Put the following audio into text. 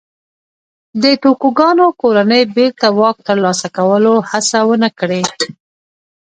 د توکوګاوا کورنۍ بېرته واک ترلاسه کولو هڅه ونه کړي.